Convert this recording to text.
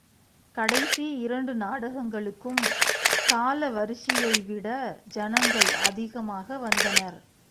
கடைசி இரண்டு நாடகங்களுக்கும் காலவரிஷி யைவிட ஜனங்கள் அதிகமாக வந்தனர்.